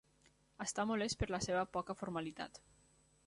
Està molest per la seva poca formalitat.